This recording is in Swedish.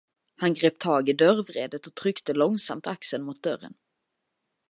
Han grep tag i dörrvredet och tryckte långsamt axeln mot dörren.